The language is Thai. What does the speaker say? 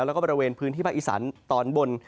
แล้วก็บริเวณพื้นที่ภาคอีสานตอนบน